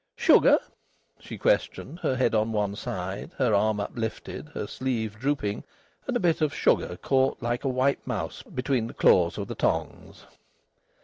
"Sugar?" she questioned, her head on one side, her arm uplifted, her sleeve drooping, and a bit of sugar caught like a white mouse between the claws of the tongs.